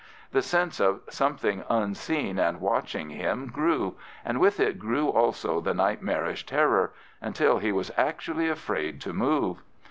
The sense of something unseen and watching him grew, and with it grew also the nightmarish terror, until he was actually afraid to move.